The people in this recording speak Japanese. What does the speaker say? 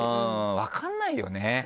分かんないよね。